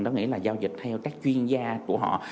có nghĩa là giao dịch theo các chuyên gia của họ